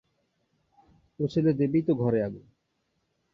ও ছেলে দেবেই তো ঘরে আগুন।